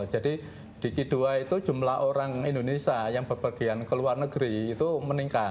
jadi di q dua itu jumlah orang indonesia yang berpergian ke luar negeri itu meningkat